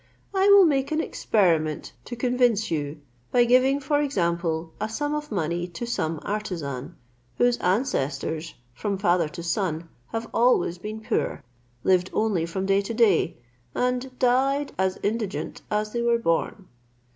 I will make an experiment to convince you, by giving, for example, a sum of money to some artisan, whose ancestors from father to son have always been poor, lived only from day to day, and died as indigent as they were born.